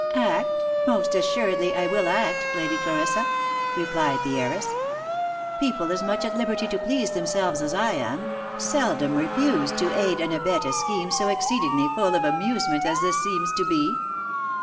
" Act? — Most assuredly I will act, Lady Clarissa," replied the heiress. " People as much at liberty to please themselves as I am, OF MICHAEL ARMSTRONG. 67 seldom refuse to aid and abet a scheme so exceedingly full of amusement as this seems to be."